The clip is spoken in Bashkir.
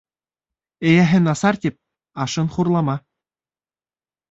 Эйәһе насар тип, ашын хурлама.